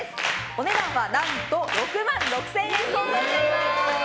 お値段は、何と６万６０００円相当になります。